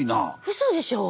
うそでしょ